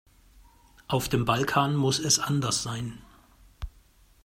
Auf dem Balkan muss es anders sein.